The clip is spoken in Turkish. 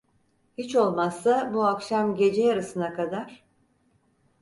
Hiç olmazsa bu akşam gece yarısına kadar?